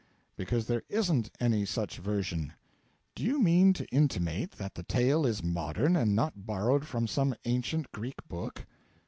'Because there isn't any such version.' 'Do you mean to intimate that the tale is modern, and not borrowed from some ancient Greek book.'